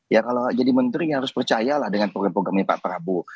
ya kalau jadi menteri harus percayalah dengan program programnya pak prabowo